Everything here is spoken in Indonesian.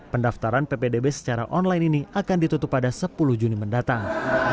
pendaftaran ppdb secara online ini akan ditutup pada sepuluh juni mendatang